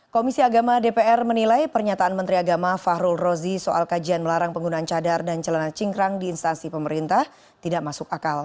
komisi agama dpr menilai pernyataan menteri agama fahrul rozi soal kajian melarang penggunaan cadar dan celana cingkrang di instansi pemerintah tidak masuk akal